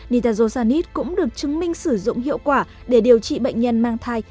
nidajosanis cũng được chứng minh sử dụng hiệu quả để điều trị bệnh nhân mang thai